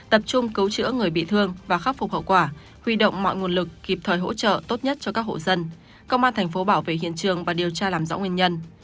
tập trung cứu chữa người bị thương và khắc phục hậu quả huy động mọi nguồn lực kịp thời hỗ trợ tốt nhất cho các hộ dân công an thành phố bảo vệ hiện trường và điều tra làm rõ nguyên nhân